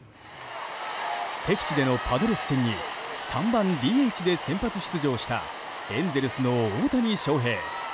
敵地でのパドレス戦に３番ＤＨで先発出場したエンゼルスの大谷翔平。